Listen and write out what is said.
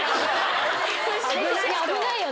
危ない人。